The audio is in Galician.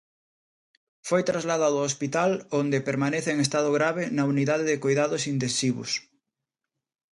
Foi trasladado ao hospital onde permanece en estado grave na unidade de coidados intensivos.